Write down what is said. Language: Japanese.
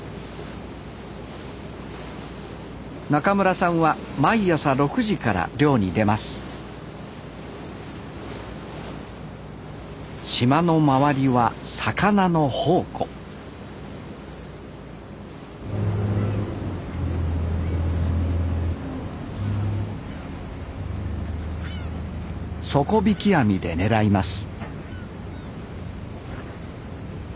中村さんは毎朝６時から漁に出ます島の周りは魚の宝庫底引き網で狙います